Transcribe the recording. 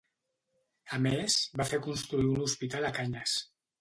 A més, va fer construir un hospital a Cañas.